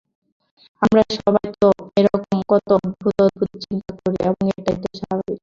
আমরা সবাই তো এরকম কত অদ্ভুত অদ্ভুত চিন্তা করি, এবং এটাই তো স্বাভাবিক।